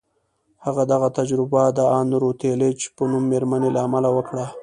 هغه دغه تجربه د ان روتلیج په نوم مېرمنې له امله وکړه